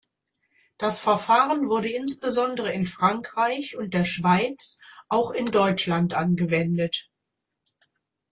Das Verfahren wurde insbesondere in Frankreich und der Schweiz, auch in Deutschland angewendet.